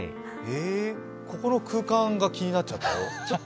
ここの空間が気になっちゃったよ。